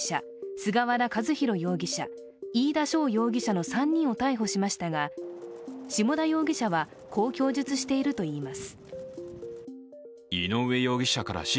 菅原和宏容疑者、飯田翔容疑者の３人を逮捕しましたが下田容疑者はこう供述しているといいます。